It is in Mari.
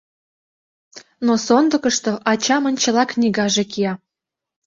Но сондыкышто ачамын чыла книгаже кия.